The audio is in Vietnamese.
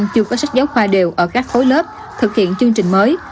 chưa có sách giáo khoa đều ở các khối lớp thực hiện chương trình mới